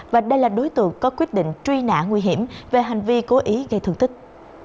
và đây là đối tượng có quyết định truy nã nguy hiểm về hành vi cố ý gây thương tích